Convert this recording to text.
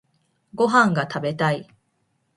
ご飯が食べたい。